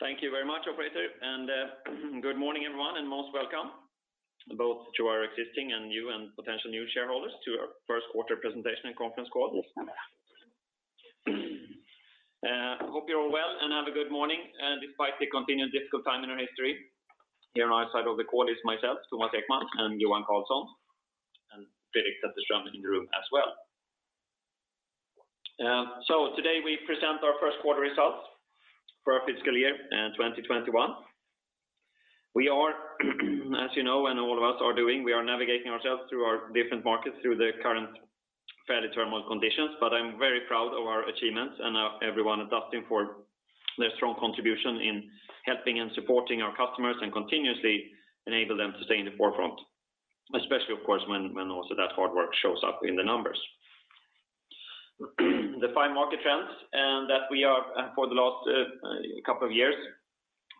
Thank you very much, operator. Good morning, everyone, and most welcome, both to our existing and potential new shareholders to our first quarter presentation and conference call. I hope you're all well and have a good morning despite the continued difficult time in our history. Here on our side of the call is myself, Thomas Ekman, and Johan Karlsson, and Fredrik Sätterström in the room as well. Today we present our first quarter results for our fiscal year in 2021. We are, as you know, and all of us are doing, we are navigating ourselves through our different markets through the current fairly turbulent conditions. I'm very proud of our achievements and everyone adapting for their strong contribution in helping and supporting our customers and continuously enable them to stay in the forefront, especially, of course, when also that hard work shows up in the numbers. The five market trends that we are, for the last couple of years,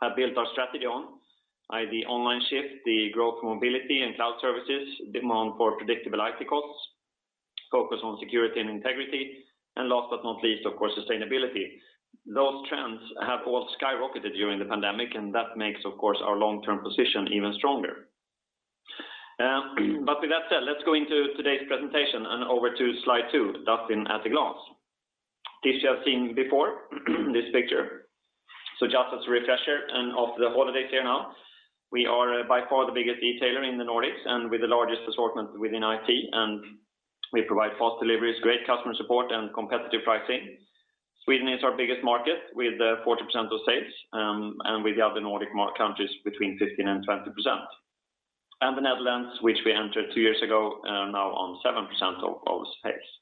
have built our strategy on, i.e., online shift, the growth mobility and cloud services, demand for predictable IT costs, focus on security and integrity, and last but not least, of course, sustainability. Those trends have all skyrocketed during the pandemic. That makes our long-term position even stronger. With that said, let's go into today's presentation and over to slide two, Dustin at a glance. This you have seen before, this picture. Just as a refresher and after the holidays here now, we are by far the biggest retailer in the Nordics and with the largest assortment within IT, and we provide fast deliveries, great customer support, and competitive pricing. Sweden is our biggest market with 40% of sales, and with the other Nordic countries between 15% and 20%. The Netherlands, which we entered two years ago, now on 7% of our sales.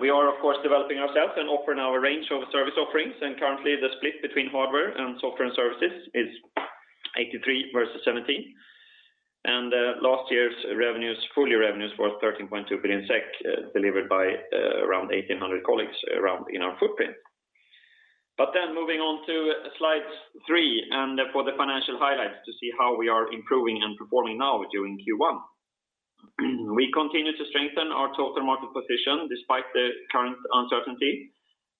We are, of course, developing ourselves and offering our range of service offerings. Currently, the split between hardware and software and services is 83 versus 17. Last year's full-year revenues were 13.2 billion SEK, delivered by around 1,800 colleagues around in our footprint. Moving on to slide three and for the financial highlights to see how we are improving and performing now during Q1. We continue to strengthen our total market position despite the current uncertainty.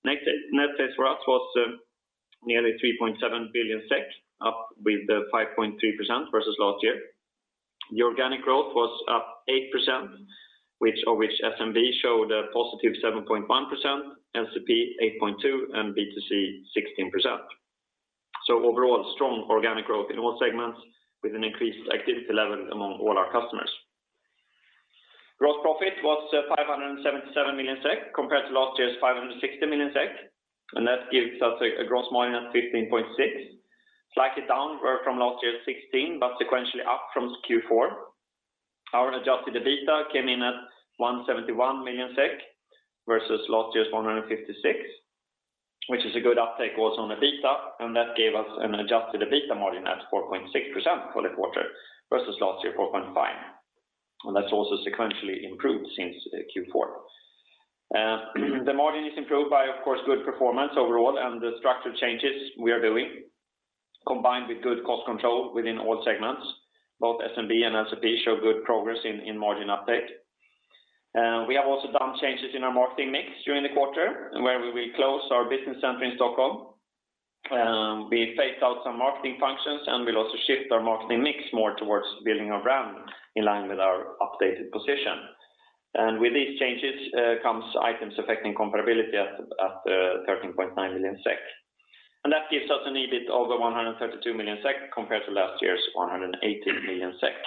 Net sales for us was nearly 3.7 billion SEK, up with 5.3% versus last year. The organic growth was up 8%, of which SMB showed a +7.1%, LCP 8.2%, and B2C 16%. Overall, strong organic growth in all segments with an increased activity level among all our customers. Gross profit was 577 million SEK compared to last year's 560 million SEK. That gives us a gross margin at 15.6%, slightly down from last year's 16%, but sequentially up from Q4. Our adjusted EBITDA came in at 171 million SEK versus last year's 156 million, which is a good uptake also on EBITDA. That gave us an adjusted EBITDA margin at 4.6% for the quarter versus last year, 4.5%. That's also sequentially improved since Q4. The margin is improved by, of course, good performance overall and the structure changes we are doing, combined with good cost control within all segments. Both SMB and LCP show good progress in margin uptake. We have also done changes in our marketing mix during the quarter where we will close our business center in Stockholm. We phased out some marketing functions and will also shift our marketing mix more towards building our brand in line with our updated position. With these changes comes items affecting comparability at 13.9 million SEK. That gives us an EBIT of over 132 million SEK compared to last year's 118 million SEK.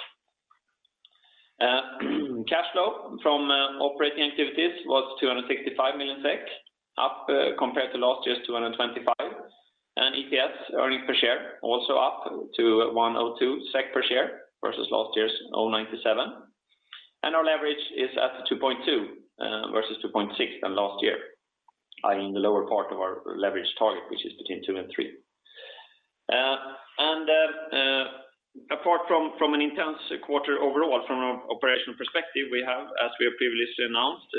Cash flow from operating activities was 265 million SEK up compared to last year's 225 million, and EPS earnings per share also up to 102 SEK per share versus last year's 0.97. Our leverage is at 2.2x versus 2.6x than last year, i.e., in the lower part of our leverage target, which is between two and three. Apart from an intense quarter overall from an operational perspective, we have, as we have previously announced,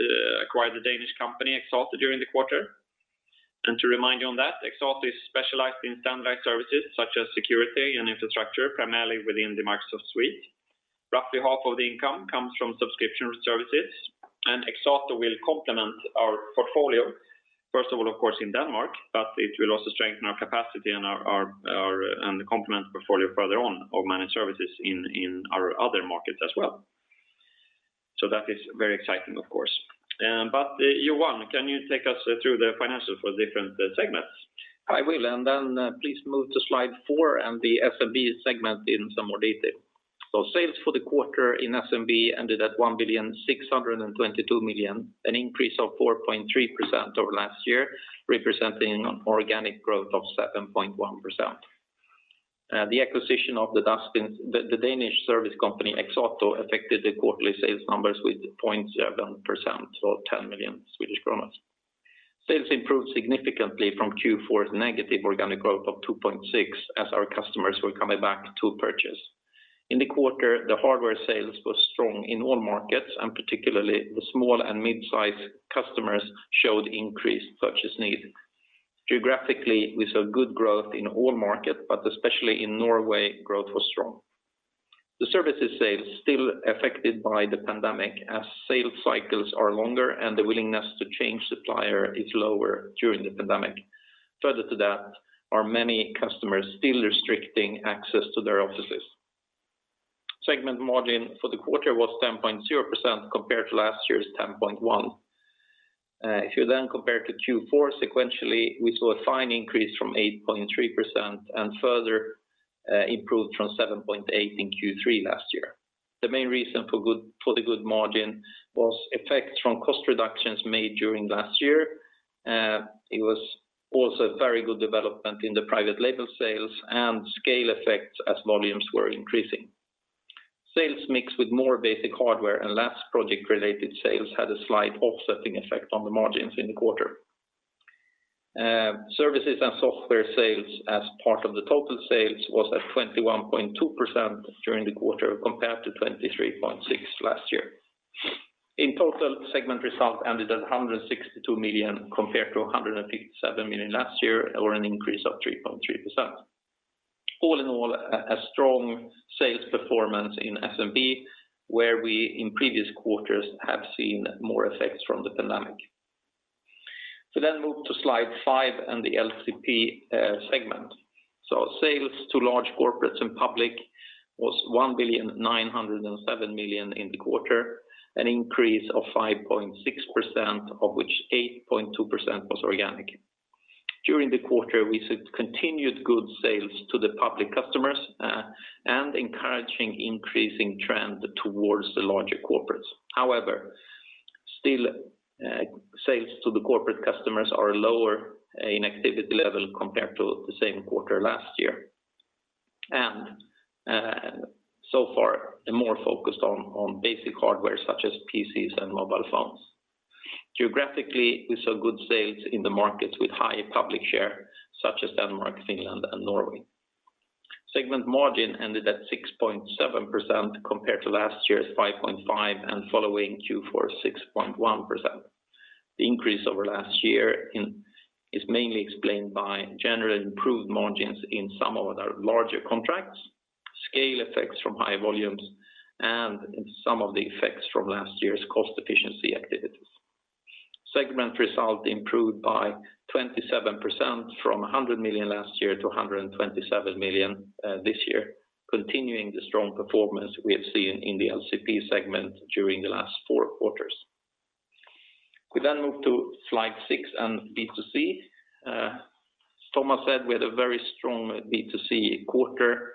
acquired the Danish company Exato during the quarter. To remind you on that, Exato is specialized in standard services such as security and infrastructure, primarily within the Microsoft Suite. Roughly half of the income comes from subscription services, and Exato will complement our portfolio, first of all, of course, in Denmark, but it will also strengthen our capacity and complement portfolio further on of managed services in our other markets as well. That is very exciting, of course. Johan, can you take us through the financials for different segments? I will. Please move to slide four and the SMB segment in some more detail. Sales for the quarter in SMB ended at 1,622,000,000, an increase of 4.3% over last year, representing an organic growth of 7.1%. The acquisition of the Danish service company Exato affected the quarterly sales numbers with 0.7% or 10 million. Sales improved significantly from Q4's negative organic growth of 2.6% as our customers were coming back to purchase. In the quarter, the hardware sales were strong in all markets, particularly the small and mid-sized customers showed increased purchase need. Geographically, we saw good growth in all markets, especially in Norway, growth was strong. The services sales still affected by the pandemic as sales cycles are longer and the willingness to change supplier is lower during the pandemic. Further to that, our many customers still restricting access to their offices. Segment margin for the quarter was 10.0% compared to last year's 10.1%. If you compare to Q4 sequentially, we saw a fine increase from 8.3% and further improved from 7.8% in Q3 last year. The main reason for the good margin was effects from cost reductions made during last year. It was also very good development in the private label sales and scale effects as volumes were increasing. Sales mixed with more basic hardware and less project-related sales had a slight offsetting effect on the margins in the quarter. Services and software sales as part of the total sales was at 21.2% during the quarter compared to 23.6% last year. In total, segment result ended at 162 million compared to 157 million last year, or an increase of 3.3%. All in all, a strong sales performance in SMB, where we in previous quarters have seen more effects from the pandemic. Move to slide five and the LCP segment. Sales to large corporates and public was 1,907,000,000 in the quarter, an increase of 5.6%, of which 8.2% was organic. During the quarter, we saw continued good sales to the public customers, and encouraging increasing trend towards the larger corporates. However, still sales to the corporate customers are lower in activity level compared to the same quarter last year. So far, more focused on basic hardware such as PCs and mobile phones. Geographically, we saw good sales in the markets with high public share such as Denmark, Finland, and Norway. Segment margin ended at 6.7% compared to last year's 5.5% and following Q4 6.1%. The increase over last year is mainly explained by general improved margins in some of our larger contracts, scale effects from high volumes, and some of the effects from last year's cost efficiency activities. Segment result improved by 27% from 100 million last year to 127 million this year, continuing the strong performance we have seen in the LCP segment during the last four quarters. We move to slide six and B2C. Thomas said we had a very strong B2C quarter.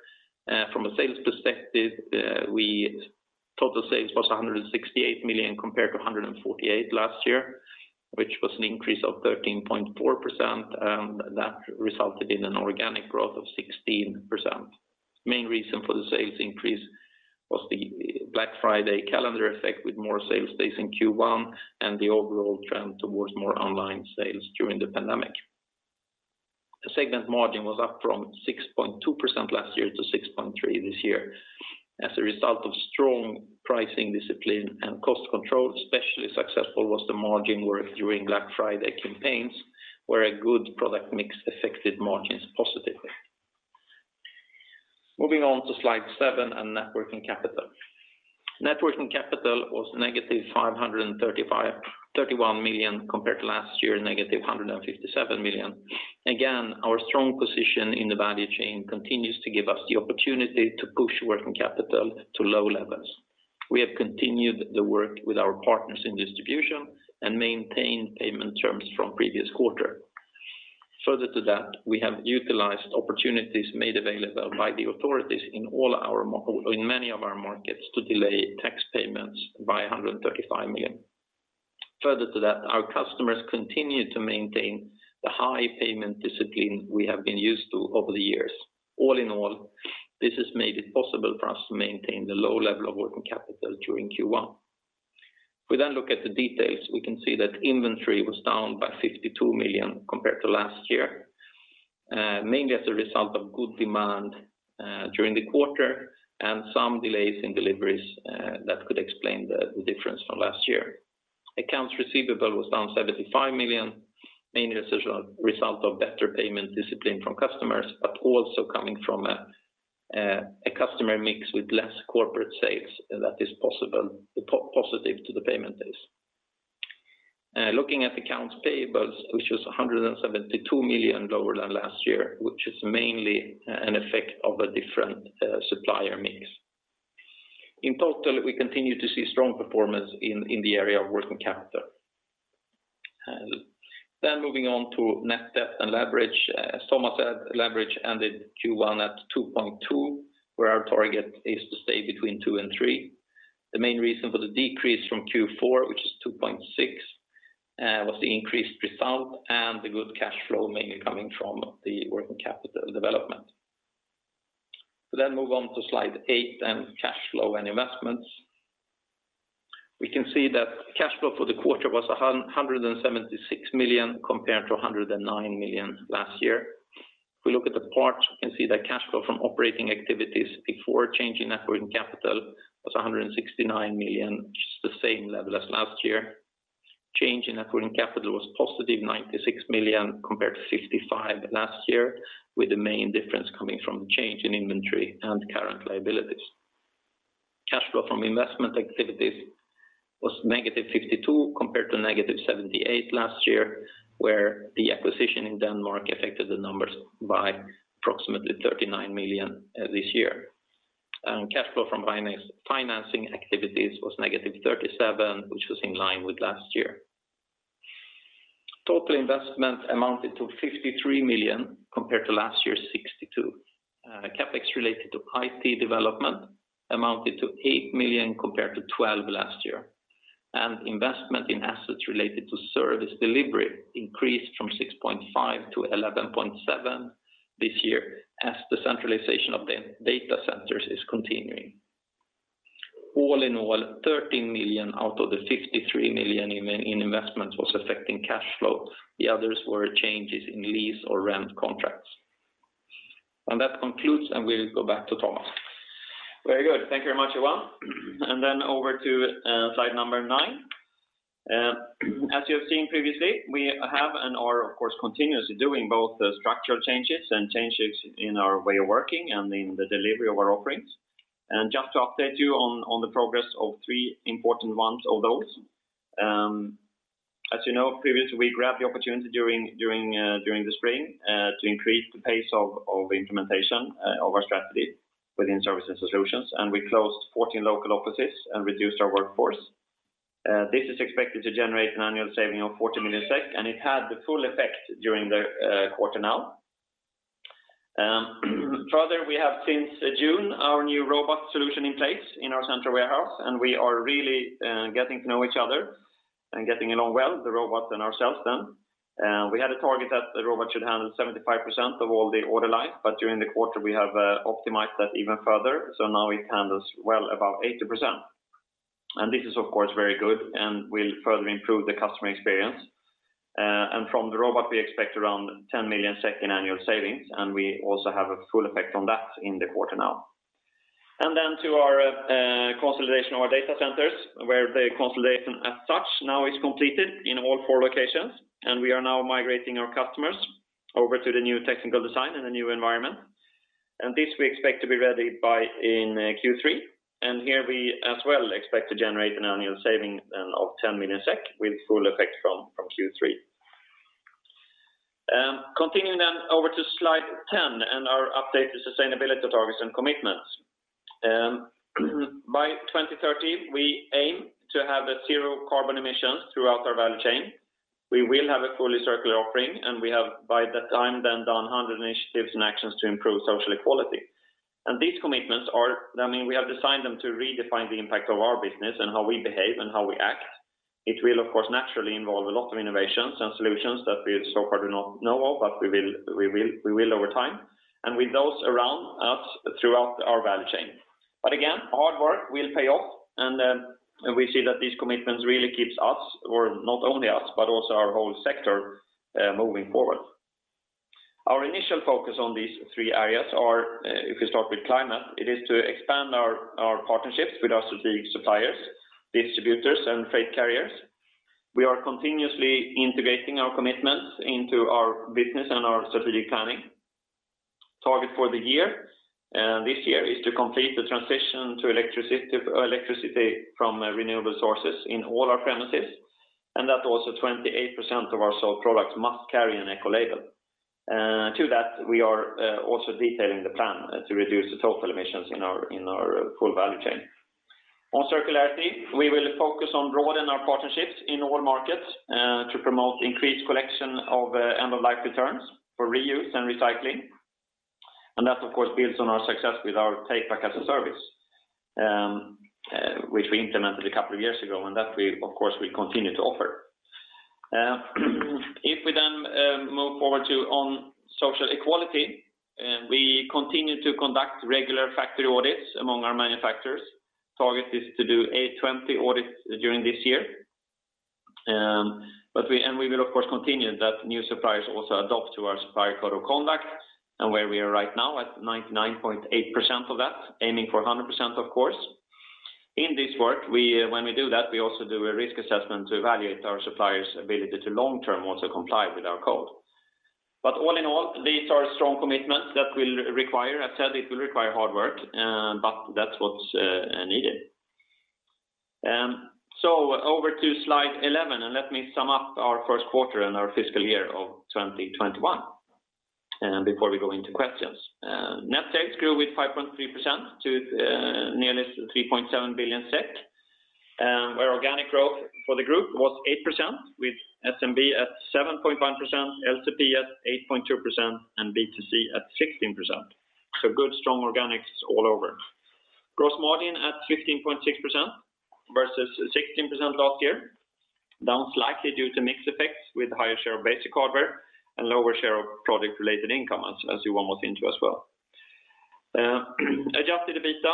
From a sales perspective, total sales was 168 million compared to 148 million last year, which was an increase of 13.4%, and that resulted in an organic growth of 16%. Main reason for the sales increase was the Black Friday calendar effect with more sales days in Q1 and the overall trend towards more online sales during the pandemic. The segment margin was up from 6.2% last year to 6.3% this year. As a result of strong pricing discipline and cost control, especially successful was the margin work during Black Friday campaigns, where a good product mix affected margins positively. Moving on to slide seven and net working capital. Net working capital was -531 million compared to last year, -157 million. Again, our strong position in the value chain continues to give us the opportunity to push working capital to low levels. We have continued the work with our partners in distribution and maintained payment terms from previous quarter. Further to that, we have utilized opportunities made available by the authorities in many of our markets to delay tax payments by 135 million. Further to that, our customers continue to maintain the high payment discipline we have been used to over the years. All in all, this has made it possible for us to maintain the low level of working capital during Q1. If we then look at the details, we can see that inventory was down by 52 million compared to last year. Mainly as a result of good demand during the quarter and some delays in deliveries that could explain the difference from last year. Accounts receivable was down 75 million, mainly as a result of better payment discipline from customers, but also coming from a customer mix with less corporate sales that is possible, positive to the payment days. Looking at accounts payables, which was 172 million lower than last year, which is mainly an effect of a different supplier mix. In total, we continue to see strong performance in the area of working capital. Moving on to net debt and leverage. Thomas said leverage ended Q1 at 2.2x, where our target is to stay between 2x and 3x. The main reason for the decrease from Q4, which is 2.6x, was the increased result and the good cash flow mainly coming from the working capital development. move on to slide eight and cash flow and investments. We can see that cash flow for the quarter was 176 million compared to 109 million last year. If we look at the parts, we can see that cash flow from operating activities before change in net working capital was 169 million, which is the same level as last year. Change in net working capital was +96 million compared to 55 million last year, with the main difference coming from change in inventory and current liabilities. Cash flow from investment activities was -52 compared to -78 last year, where the acquisition in Denmark affected the numbers by approximately 39 million this year. Cash flow from financing activities was -37, which was in line with last year. Total investments amounted to 53 million compared to last year's 62 million. CapEx related to IT development amounted to 8 million compared to 12 million last year. Investment in assets related to service delivery increased from 6.5 million-11.7 million this year as the centralization of the data centers is continuing. All in all, 13 million out of the 53 million in investments was affecting cash flow. The others were changes in lease or rent contracts. That concludes, and we will go back to Thomas. Very good. Thank you very much, Johan. Then over to slide number nine. As you have seen previously, we have and are, of course, continuously doing both the structural changes and changes in our way of working and in the delivery of our offerings. Just to update you on the progress of three important ones of those. As you know, previously, we grabbed the opportunity during the spring to increase the pace of implementation of our strategy within services and solutions, and we closed 14 local offices and reduced our workforce. This is expected to generate an annual saving of 40 million SEK, and it had the full effect during the quarter now. Further, we have since June our new robot solution in place in our central warehouse, and we are really getting to know each other and getting along well, the robot and ourselves then. We had a target that the robot should handle 75% of all the order line, but during the quarter, we have optimized that even further, so now it handles well above 80%. This is of course very good and will further improve the customer experience. From the robot, we expect around 10 million SEK in annual savings, and we also have a full effect on that in the quarter now. To our consolidation of our data centers, where the consolidation as such now is completed in all four locations, and we are now migrating our customers over to the new technical design in the new environment. This we expect to be ready by in Q3. Here we as well expect to generate an annual saving then of 10 million SEK with full effect from Q3. Continuing over to slide 10 and our update to sustainability targets and commitments. By 2030, we aim to have zero carbon emissions throughout our value chain. We will have a fully circular offering, we have by that time then done 100 initiatives and actions to improve social equality. These commitments we have designed them to redefine the impact of our business and how we behave and how we act. It will of course naturally involve a lot of innovations and solutions that we so far do not know of, but we will over time, with those around us throughout our value chain. Again, hard work will pay off, and we see that these commitments really keeps us, or not only us, but also our whole sector moving forward. Our initial focus on these three areas are, if we start with climate, it is to expand our partnerships with our strategic suppliers, distributors, and freight carriers. We are continuously integrating our commitments into our business and our strategic planning. Target for the year, this year, is to complete the transition to electricity from renewable sources in all our premises. That also 28% of our sold products must carry an eco-label. To that, we are also detailing the plan to reduce the total emissions in our full value chain. On circularity, we will focus on broadening our partnerships in all markets to promote increased collection of end-of-life returns for reuse and recycling. That of course builds on our success with our Takeback as a Service, which we implemented a couple of years ago, and that of course we continue to offer. If we move forward to on social equality, we continue to conduct regular factory audits among our manufacturers. Target is to do 820 audits during this year. We will of course continue that new suppliers also adopt to our supplier code of conduct, and where we are right now at 99.8% of that, aiming for 100%, of course. In this work, when we do that, we also do a risk assessment to evaluate our suppliers' ability to long-term also comply with our code. All in all, these are strong commitments that will require, as said, it will require hard work, but that's what's needed. Over to slide 11, let me sum up our first quarter and our fiscal year of 2021 before we go into questions. Net sales grew with 5.3% to nearly 3.7 billion SEK, where organic growth for the group was 8% with SMB at 7.1%, LCP at 8.2%, and B2C at 16%. Good strong organics all over. Gross margin at 15.6% versus 16% last year, down slightly due to mix effects with higher share of basic hardware and lower share of project-related income as Johan was into as well. Adjusted EBITDA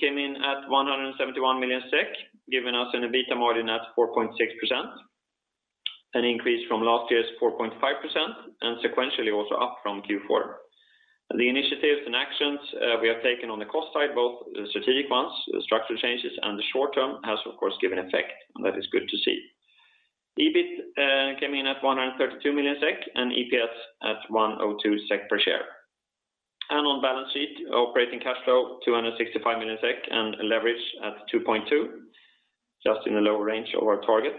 came in at 171 million SEK, giving us an EBITDA margin at 4.6%, an increase from last year's 4.5% and sequentially also up from Q4. The initiatives and actions we have taken on the cost side, both the strategic ones, the structural changes, and the short term, has, of course, given effect, and that is good to see. EBIT came in at 132 million SEK, and EPS at 102 SEK per share. On balance sheet, operating cash flow 265 million SEK and leverage at 2.2x, just in the lower range of our target.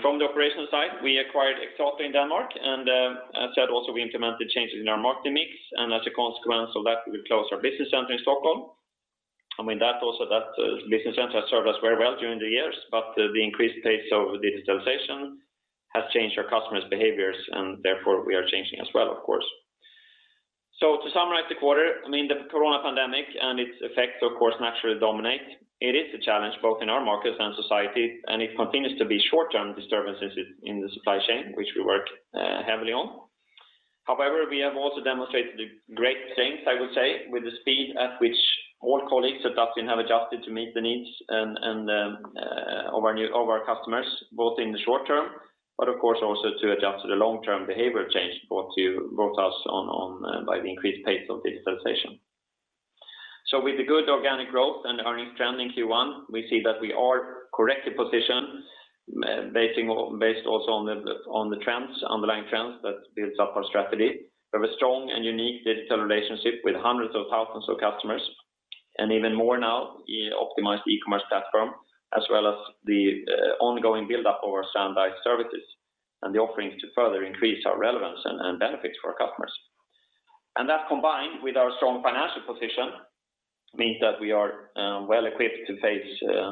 From the operational side, we acquired Exato in Denmark, and as I said also, we implemented changes in our market mix and as a consequence of that, we closed our business center in Stockholm. That business center has served us very well during the years, but the increased pace of digitalization has changed our customers' behaviors, and therefore we are changing as well, of course. To summarize the quarter, the Corona pandemic and its effects, of course, naturally dominate. It is a challenge both in our markets and society, and it continues to be short-term disturbances in the supply chain, which we work heavily on. However, we have also demonstrated great strength, I would say, with the speed at which all colleagues at Dustin have adjusted to meet the needs of our customers, both in the short term, but of course, also to adjust to the long-term behavior change brought to us by the increased pace of digitalization. With the good organic growth and earning trend in Q1, we see that we are correctly positioned, based also on the underlying trends that builds up our strategy. We have a strong and unique digital relationship with hundreds of thousands of customers, and even more now optimized e-commerce platform, as well as the ongoing buildup of our standard services and the offerings to further increase our relevance and benefits for our customers. That combined with our strong financial position, means that we are well-equipped to face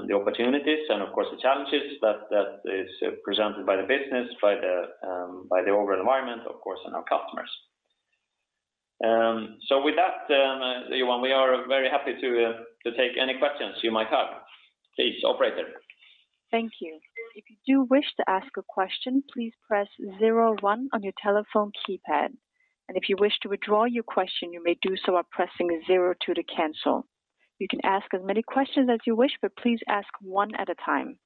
the opportunities and, of course, the challenges that is presented by the business, by the overall environment, of course, and our customers. With that, Johan, we are very happy to take any questions you might have. Please, operator. Thank you. If you do wish to ask a question, please press zero one on your telephone keypad, and if you wish to withdraw your question, you may do so by pressing zero two to cancel. You can ask as many questions as you wish, but please ask one at a time.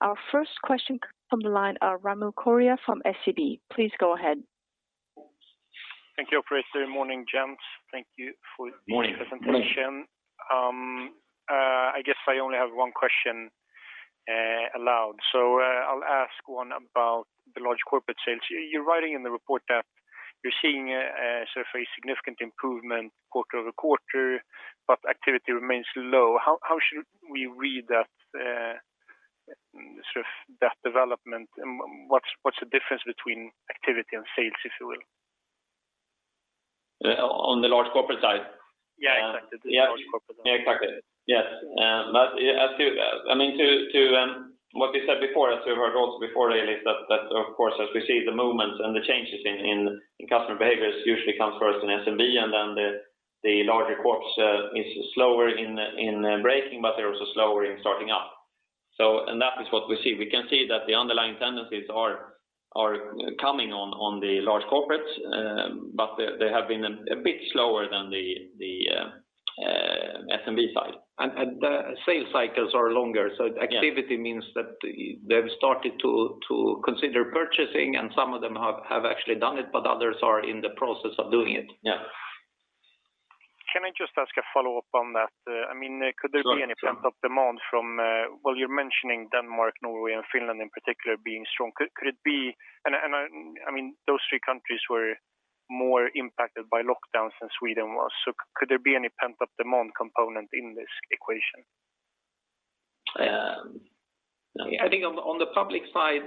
Our first question from the line of Ramil Koria from SEB. Please go ahead. Thank you, operator. Morning, gents. Thank you for the presentation. Morning. Morning. I guess I only have one question allowed. I'll ask one about the large corporate sales. You're writing in the report that you're seeing a significant improvement quarter-over-quarter, but activity remains low. How should we read that development, and what's the difference between activity and sales, if you will? On the large corporate side? Yeah, exactly. The large corporate side. Yeah, exactly. Yes. What we said before, as you heard also before, really, is that, of course, as we see the movements and the changes in customer behaviors usually comes first in SMB, and then the larger corps is slower in breaking, but they're also slower in starting up. That is what we see. We can see that the underlying tendencies are coming on the large corporates, but they have been a bit slower than the SMB side. The sales cycles are longer. Yeah. Activity means that they've started to consider purchasing, and some of them have actually done it, but others are in the process of doing it. Yeah. Can I just ask a follow-up on that? Sure. Could there be any pent-up demand from Well, you're mentioning Denmark, Norway, and Finland in particular being strong. Those three countries were more impacted by lockdowns than Sweden was, could there be any pent-up demand component in this equation? I think on the public side,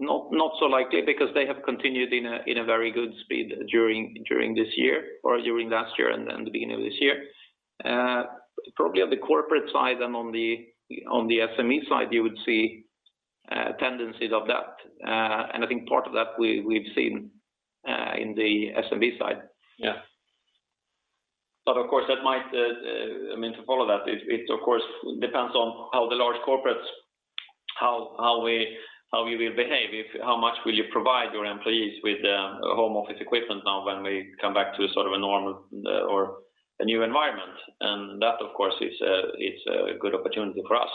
not so likely because they have continued in a very good speed during this year or during last year and the beginning of this year. Probably on the corporate side and on the SME side, you would see tendencies of that. I think part of that we've seen in the SMB side. Yeah. Of course, to follow that, it of course depends on how the large corporates will behave. How much will you provide your employees with home office equipment now when we come back to a normal or a new environment? That, of course, is a good opportunity for us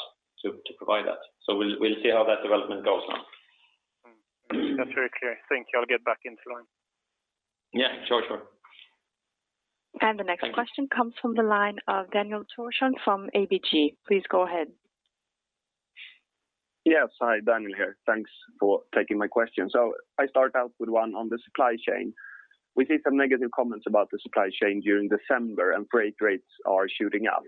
to provide that. We'll see how that development goes now. That's very clear. Thank you. I'll get back in line. Yeah, sure. The next question comes from the line of Daniel Thorsson from ABG. Please go ahead. Yes. Hi, Daniel here. Thanks for taking my question. I start out with one on the supply chain. We see some negative comments about the supply chain during December and freight rates are shooting up.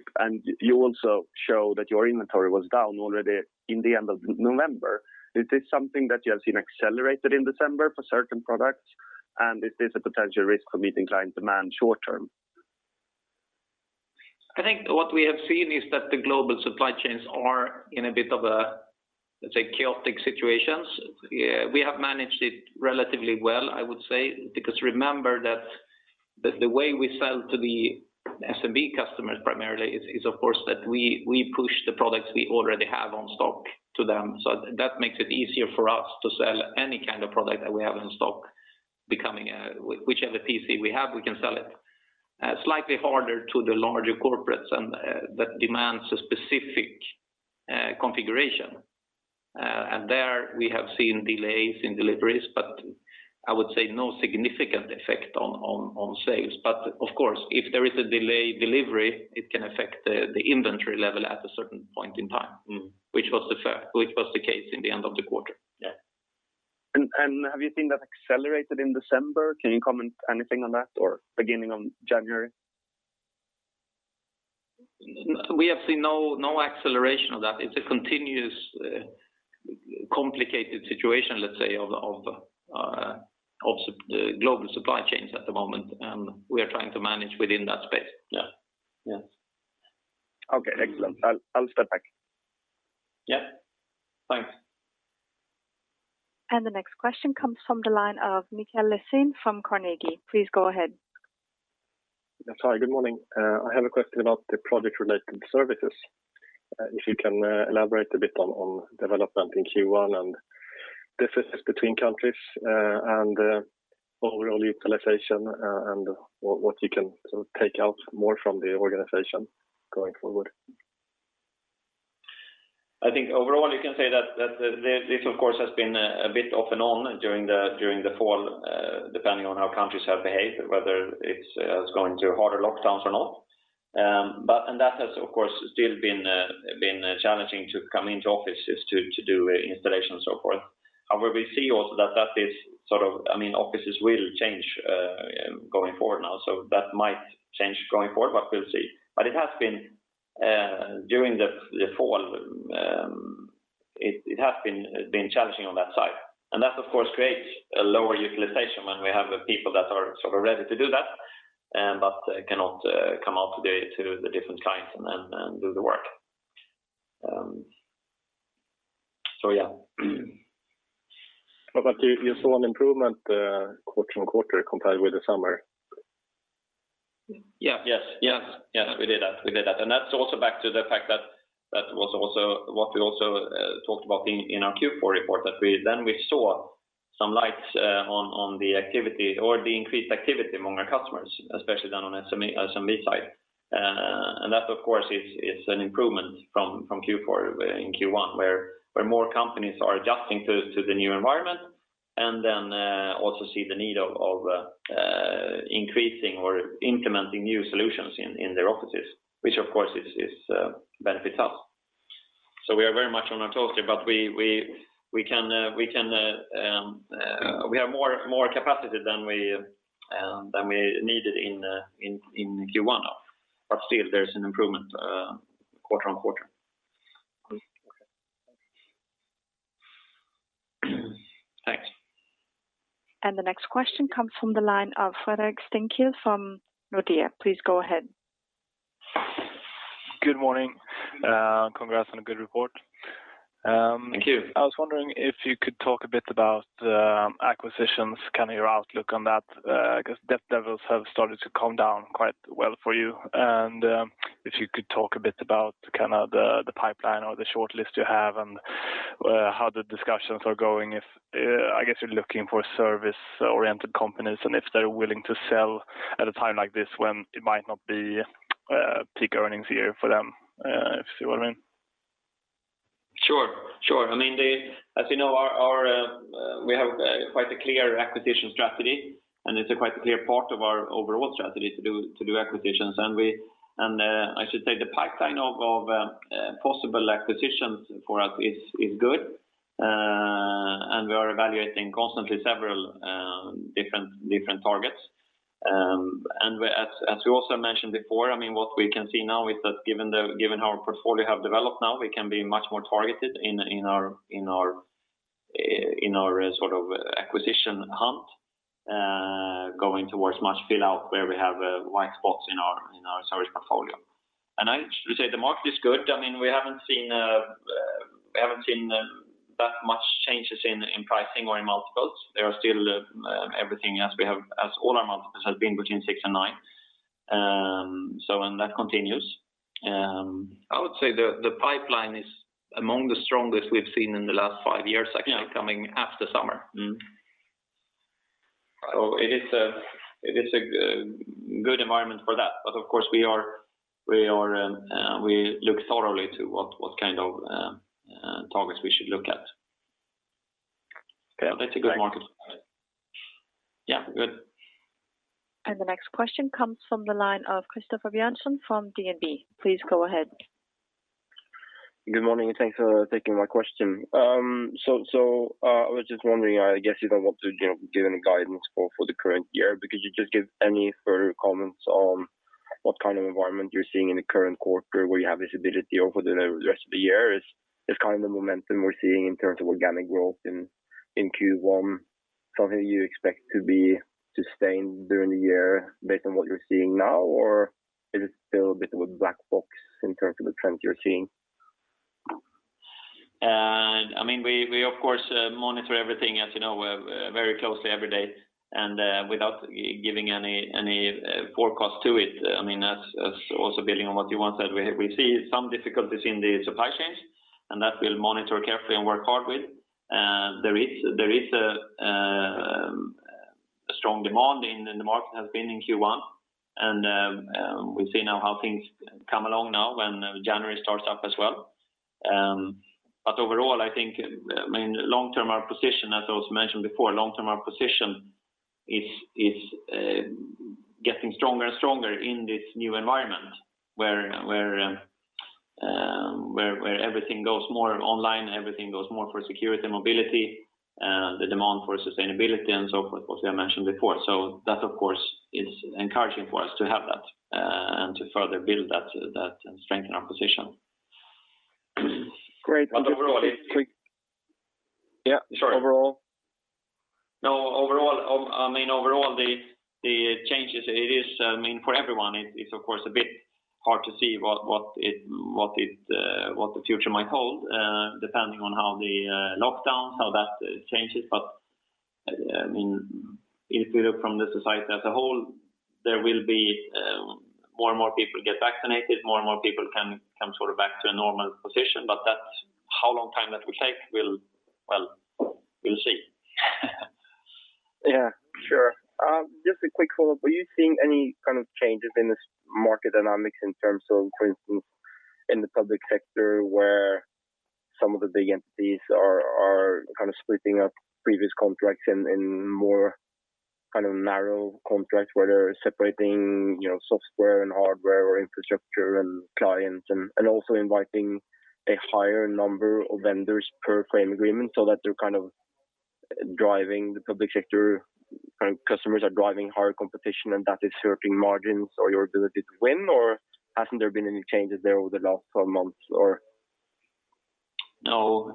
You also show that your inventory was down already in the end of November. Is this something that you have seen accelerated in December for certain products? Is this a potential risk for meeting client demand short term? I think what we have seen is that the global supply chains are in a bit of a, let's say, chaotic situations. We have managed it relatively well, I would say, because remember that the way we sell to the SMB customers primarily is, of course, that we push the products we already have on stock to them. That makes it easier for us to sell any kind of product that we have in stock, whichever PC we have, we can sell it. Slightly harder to the larger corporates that demands a specific configuration. There we have seen delays in deliveries, but I would say no significant effect on sales. Of course, if there is a delay in delivery, it can affect the inventory level at a certain point in time, which was the case in the end of the quarter. Yeah. Have you seen that accelerated in December? Can you comment anything on that, or beginning of January? We have seen no acceleration of that. It's a continuous complicated situation, let's say, of the global supply chains at the moment, and we are trying to manage within that space. Yeah. Okay, excellent. I'll step back. Yeah. Thanks. The next question comes from the line of Mikael Laséen from Carnegie. Please go ahead. Yes. Hi, good morning. I have a question about the project-related services. If you can elaborate a bit on development in Q1 and differences between countries, and overall utilization and what you can take out more from the organization going forward. I think overall you can say that this of course has been a bit off and on during the fall, depending on how countries have behaved, whether it's going to harder lockdowns or not. That has, of course, still been challenging to come into offices to do installation and so forth. However, we see also that offices will change going forward now, so that might change going forward, but we'll see. It has been during the fall challenging on that side. That, of course, creates a lower utilization when we have people that are ready to do that but cannot come out to the different clients and then do the work. Yeah. You saw an improvement quarter-on-quarter compared with the summer? Yes. We did that. That's also back to the fact that what we also talked about in our Q4 report, that then we saw some lights on the activity or the increased activity among our customers, especially then on the SMB side. That of course, is an improvement from Q4 in Q1, where more companies are adjusting to the new environment and then also see the need of increasing or implementing new solutions in their offices, which of course benefits us. We are very much on our toes there, but we have more capacity than we needed in Q1 now. Still there's an improvement quarter-on-quarter. Okay. Thanks. The next question comes from the line of Fredrik Stenkil from Nordea. Please go ahead. Good morning. Congrats on a good report. Thank you. I was wondering if you could talk a bit about acquisitions, your outlook on that. Because debt levels have started to come down quite well for you, and if you could talk a bit about the pipeline or the shortlist you have and how the discussions are going. I guess you're looking for service-oriented companies and if they're willing to sell at a time like this when it might not be peak earnings year for them, if you see what I mean. Sure. As you know, we have quite a clear acquisition strategy, it's a quite clear part of our overall strategy to do acquisitions. I should say the pipeline of possible acquisitions for us is good. We are evaluating constantly several different targets. As we also mentioned before, what we can see now is that given how our portfolio have developed now, we can be much more targeted in our acquisition hunt, going towards to fill out where we have white spots in our service portfolio. I should say the market is good. We haven't seen that much changes in pricing or in multiples. They are still everything as all our multiples have been between six and nine. That continues. I would say the pipeline is among the strongest we've seen in the last five years. It is a good environment for that. Of course, we look thoroughly to what kind of targets we should look at. Okay. It's a good market. Yeah, good. The next question comes from the line of Christoffer Johansson from DNB. Please go ahead. Good morning, and thanks for taking my question. I was just wondering, I guess you don't want to give any guidance for the current year, but could you just give any further comments on what kind of environment you're seeing in the current quarter, where you have visibility over the rest of the year? Is this kind of momentum we're seeing in terms of organic growth in Q1 something you expect to be sustained during the year based on what you're seeing now, or is it still a bit of a black box in terms of the trends you're seeing? We of course monitor everything, as you know, very closely every day. Without giving any forecast to it, as also building on what you want, that we see some difficulties in the supply chains, and that we'll monitor carefully and work hard with. There is a strong demand in the market has been in Q1. We see now how things come along now when January starts up as well. Overall, as I mentioned before, long-term, our position is getting stronger and stronger in this new environment where everything goes more online, everything goes more for security and mobility, the demand for sustainability and so forth, what we have mentioned before. That, of course, is encouraging for us to have that and to further build that and strengthen our position. Great. Overall. Yeah, sure. Overall the changes for everyone, it's of course a bit hard to see what the future might hold, depending on how the lockdowns, how that changes. If we look from the society as a whole, there will be more and more people get vaccinated, more and more people can come back to a normal position, but how long time that will take, well, we'll see. Yeah. Sure. Just a quick follow-up. Were you seeing any kind of changes in this market dynamics in terms of, for instance, in the public sector where some of the big entities are splitting up previous contracts in more narrow contracts, where they're separating software and hardware or infrastructure and clients and also inviting a higher number of vendors per frame agreement so that they're driving the public sector, customers are driving higher competition and that is hurting margins or your ability to win? Hasn't there been any changes there over the last 12 months or? No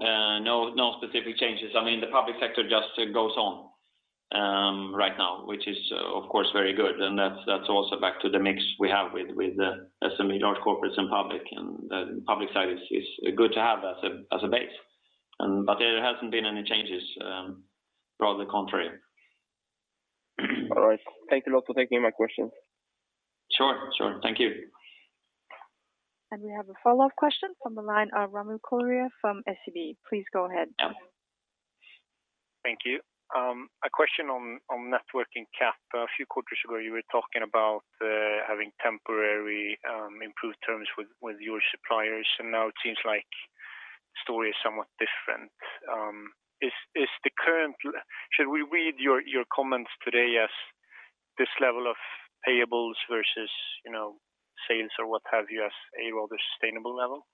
specific changes. The public sector just goes on right now, which is of course very good. That's also back to the mix we have with the SME, large corporates, and Public. The Public side is good to have as a base. There hasn't been any changes. Rather the contrary. All right. Thank you a lot for taking my question. Sure. Thank you. We have a follow-up question from the line, Ramil Koria from SEB. Please go ahead. Thank you. A question on net working cap. A few quarters ago, you were talking about having temporary improved terms with your suppliers, and now it seems like the story is somewhat different. Should we read your comments today as this level of payables versus sales or what have you as a rather sustainable level?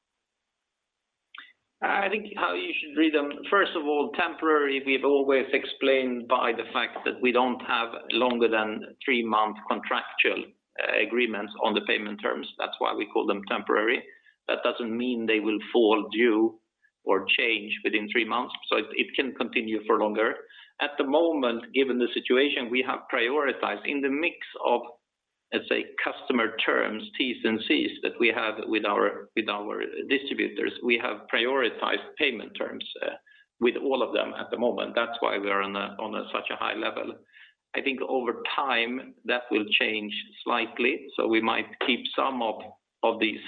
I think how you should read them, first of all, temporary, we've always explained by the fact that we don't have longer than three-month contractual agreements on the payment terms. That's why we call them temporary. That doesn't mean they will fall due or change within three months. It can continue for longer. At the moment, given the situation, we have prioritized in the mix of, let's say, customer terms, Ts and Cs that we have with our distributors. We have prioritized payment terms with all of them at the moment. That's why we are on such a high level. I think over time, that will change slightly. We might keep some of these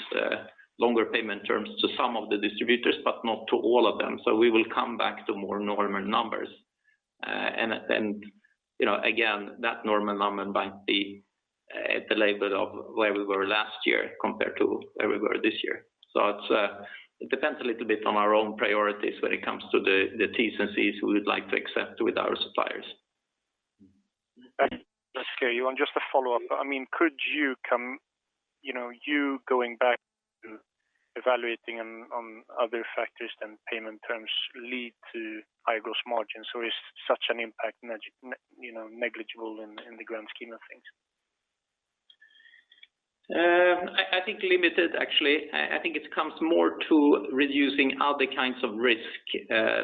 longer payment terms to some of the distributors, but not to all of them. We will come back to more normal numbers. Again, that normal number might be at the level of where we were last year compared to where we were this year. It depends a little bit on our own priorities when it comes to the Ts and Cs we would like to accept with our suppliers. Thanks. Let's carry on. Just a follow-up. Could you going back to evaluating on other factors than payment terms lead to higher gross margins, or is such an impact negligible in the grand scheme of things? I think limited, actually. I think it comes more to reducing other kinds of risk.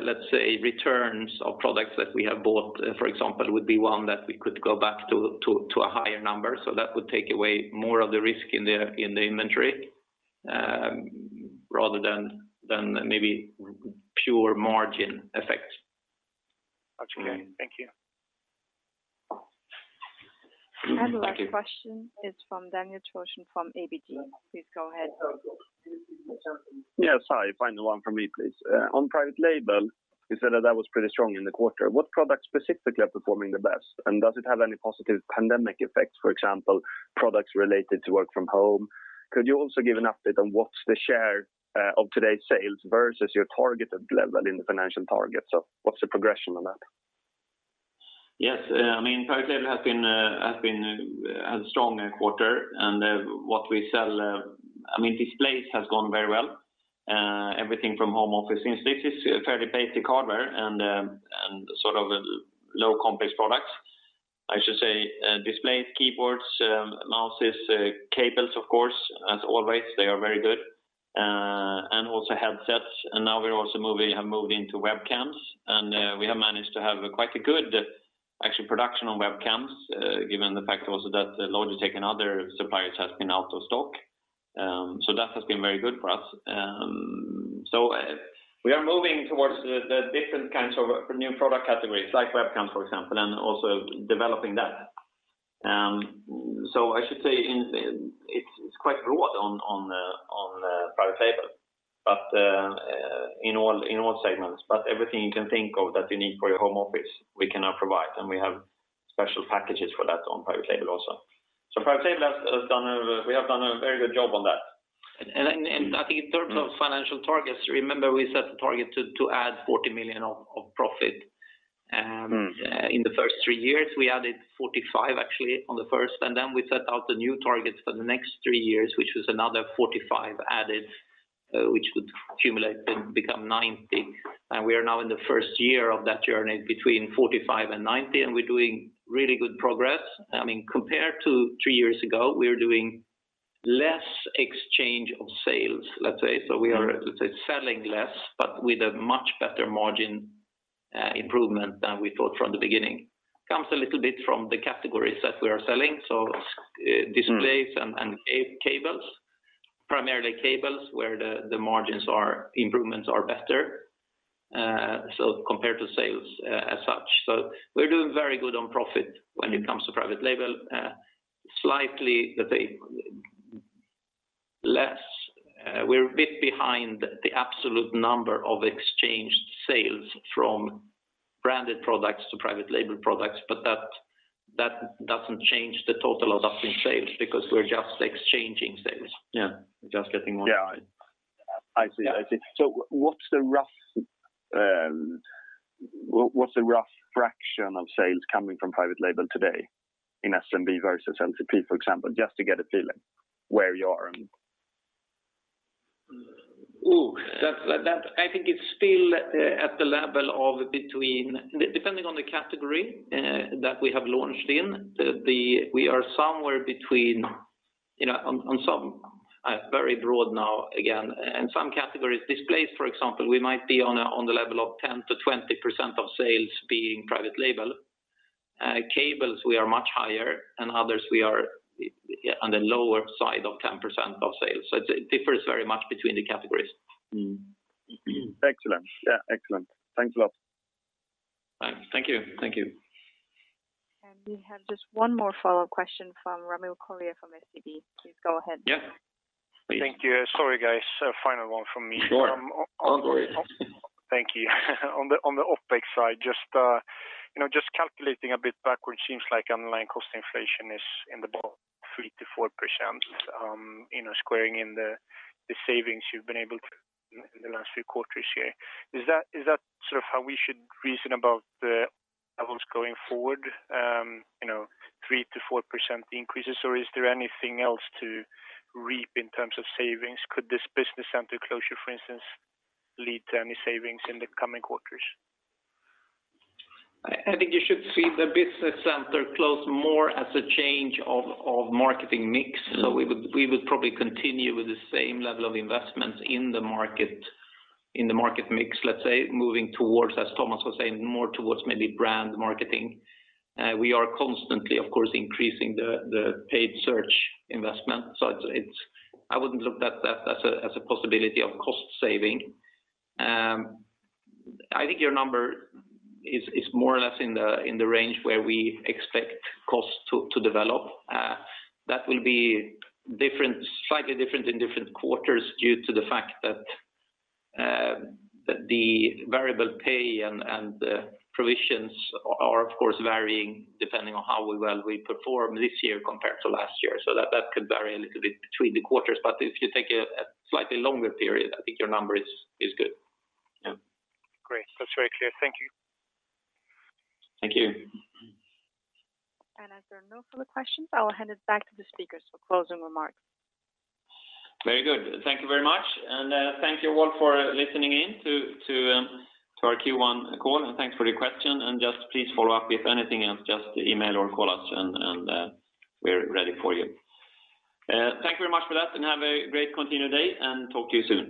Let's say returns of products that we have bought, for example, would be one that we could go back to a higher number. That would take away more of the risk in the inventory, rather than maybe pure margin effect. Okay. Thank you. The last question is from Daniel Thorsson from ABG. Please go ahead. Yeah. Sorry. Final one from me, please. On private label, you said that that was pretty strong in the quarter. What products specifically are performing the best? Does it have any positive pandemic effects, for example, products related to work from home? Could you also give an update on what's the share of today's sales versus your targeted level in the financial targets? What's the progression on that? Yes. Private label has had a strong quarter. What we sell, displays has gone very well. Everything from home office. Since this is fairly basic hardware and low complex products. I should say displays, keyboards, mouses, cables, of course, as always, they are very good. Also headsets. Now we have also moved into webcams, and we have managed to have quite a good actual production on webcams, given the fact also that Logitech and other suppliers have been out of stock. That has been very good for us. We are moving towards the different kinds of new product categories, like webcams, for example, and also developing that, I should say it's quite broad on private label in all segments. Everything you can think of that you need for your home office, we can now provide, and we have special packages for that on private label also. Private label, we have done a very good job on that. I think in terms of financial targets, remember we set the target to add 40 million of profit. In the first three years, we added 45 million actually on the first, and then we set out the new targets for the next three years, which was another 45 million added, which would accumulate and become 90 million. We are now in the first year of that journey between 45 million and 90 million, and we're doing really good progress. Compared to three years ago, we are doing less exchange of sales, let's say. We are, let's say, selling less but with a much better margin improvement than we thought from the beginning. Comes a little bit from the categories that we are selling, so displays and cables, primarily cables, where the margin improvements are better, so compared to sales as such. We're doing very good on profit when it comes to private label. Slightly less, we're a bit behind the absolute number of exchanged sales from branded products to private label products, but that doesn't change the total adoption sales because we're just exchanging sales. Yeah. Just getting more. Yeah. I see. What's the rough fraction of sales coming from private label today in SMB versus LCP, for example, just to get a feeling where you are? Oh, I think it's still at the level of between, depending on the category that we have launched in, we are somewhere between, on some, very broad now again. In some categories, displays, for example, we might be on the level of 10%-20% of sales being private label. Cables, we are much higher, and others, we are on the lower side of 10% of sales. It differs very much between the categories. Excellent. Yeah. Excellent. Thanks a lot. Thank you. We have just one more follow-up question from Ramil Koria from SEB. Please go ahead. Yeah. Please. Thank you. Sorry, guys. Final one from me. Sure. All good. Thank you. On the OpEx side, just calculating a bit backward, seems like underlying cost inflation is in the ball 3%-4%, squaring in the savings you've been able to in the last few quarters here. Is that how we should reason about the levels going forward, 3%-4% increases, or is there anything else to reap in terms of savings? Could this business center closure, for instance, lead to any savings in the coming quarters? I think you should see the business center close more as a change of marketing mix. We would probably continue with the same level of investments in the market mix, let's say, moving towards, as Thomas was saying, more towards maybe brand marketing. We are constantly, of course, increasing the paid search investment. I wouldn't look at that as a possibility of cost saving. I think your number is more or less in the range where we expect costs to develop. That will be slightly different in different quarters due to the fact that the variable pay and the provisions are, of course, varying depending on how well we perform this year compared to last year. That could vary a little bit between the quarters, but if you take a slightly longer period, I think your number is good. Great. That's very clear. Thank you. Thank you. As there are no further questions, I will hand it back to the speakers for closing remarks. Very good. Thank you very much, and thank you all for listening in to our Q1 call, and thanks for your question. Just please follow up with anything else, just email or call us, and we're ready for you. Thank you very much for that, and have a great continued day, and talk to you soon.